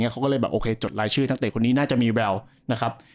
เขาก็เลยแบบโอเคจดรายชื่อนักเตะคนนี้น่าจะมีแววนะครับ